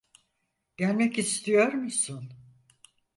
Gelmek istiyor musun?